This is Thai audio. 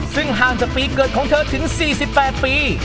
ซึ่งห่างจากปีเกิดของเธอถึง๔๘ปี